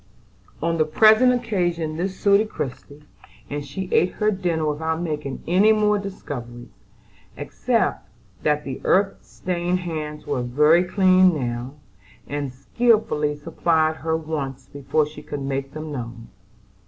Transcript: On the present occasion this suited Christie; and she ate her dinner without making any more discoveries, except that the earth stained hands were very clean now, and skilfully supplied her wants before she could make them known.